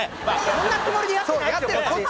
そんなつもりでやってない。